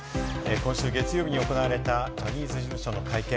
今週月曜日に行われたジャニーズ事務所の会見。